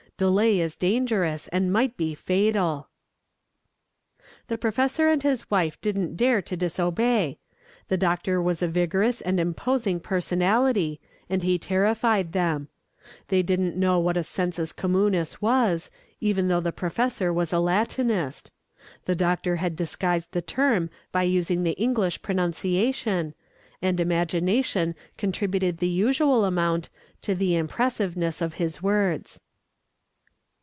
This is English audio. Delay is dangerous, and might be fatal." The professor and his wife didn't dare to disobey. The doctor was a vigorous and imposing personality, and he had terrified them. They didn't know what a sensus communis was, even though the professor was a Latinist; the doctor had disguised the term by using the English pronunciation, and imagination contributed the usual amount to the impressiveness of his words.